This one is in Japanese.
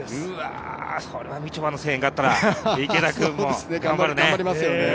それはみちょぱの声援があったら池田君も頑張るんじゃないですか。